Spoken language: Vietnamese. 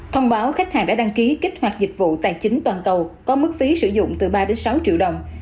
thông báo khách hàng đã đăng ký kích hoạt dịch vụ tài chính toàn cầu có mức phí sử dụng từ ba sáu triệu đồng